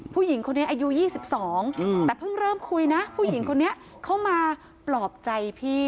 ผู้หญิงคนนี้อายุ๒๒แต่เพิ่งเริ่มคุยนะผู้หญิงคนนี้เข้ามาปลอบใจพี่